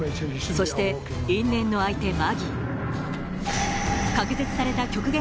そして因縁の相手マギー